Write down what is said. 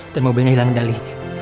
dan mobilnya hilang kendali